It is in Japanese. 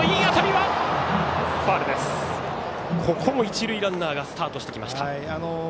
ここも一塁ランナーがスタートしてきました。